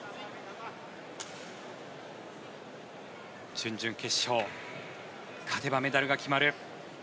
準々決勝勝てばメダルが決まる。